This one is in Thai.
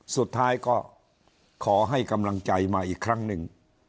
สุดท้ายก็ขอให้กำลังใจมาอีกครั้งหนึ่ง